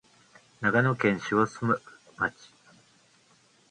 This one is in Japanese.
長野県下諏訪町